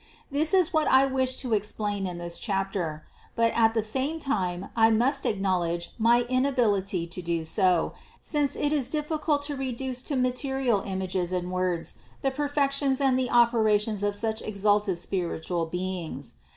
This is what I wish to explain in this chapter ; but at the same time I must acknowledge my inability to do so, since it is difficult to reduce to ma terial images and words the perfections and the opera tions of such exalted spiritual beings.